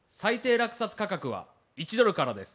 落札価格は１ドルからです